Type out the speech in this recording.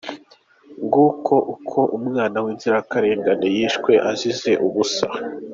Nguko uko umwana w’inzirakarengane yishwe azize ubusa.